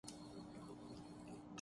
یہ خیال کیا جاتا